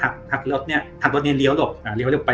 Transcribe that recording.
ขับรถเนี่ยขับรถเนี้ยเลี้ยวหลบอ่าเลี้ยวหลบไป